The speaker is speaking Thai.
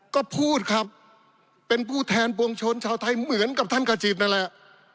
ก็พูดครับเป็นผู้แทนปวงชนชาวไทยเหมือนกับท่านขจิตนั่นแหละ